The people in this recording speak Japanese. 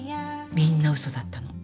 みんなウソだったの。